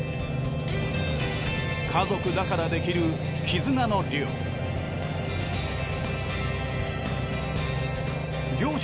家族だからできる絆の漁。